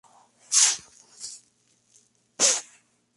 Todas las unidades se sometieron a entrenamientos y ensayos de combate.